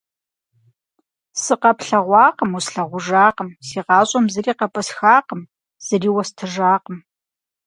Сыкъэплъэгъуакъым, услъагъужакъым, си гъащӀэм зыри къыпӀысхакъым, зыри уэстыжакъым.